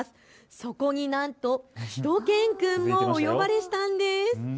そこになんとしゅと犬くんもお呼ばれしたんです。